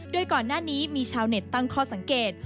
โดยก่อนหน้านี้มีชาวเน็ตตั้งข้อสังเกต